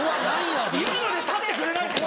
今ので立ってくれないんですか！